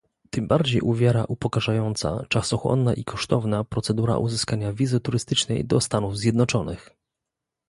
Tym bardziej uwiera upokarzająca, czasochłonna i kosztowna procedura uzyskania wizy turystycznej do Stanów Zjednoczonych